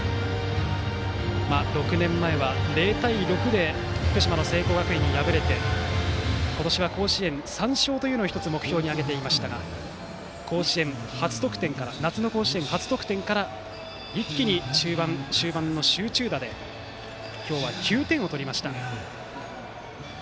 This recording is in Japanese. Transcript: ６年前は０対６で福島の聖光学院に敗れて今年は甲子園３勝というのを１つ、目標に挙げていましたが夏の甲子園初得点から一気に終盤の集中打で今日は９点を取りました。